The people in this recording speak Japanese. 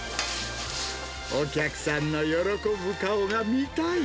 お客さんの喜ぶ顔が見たい。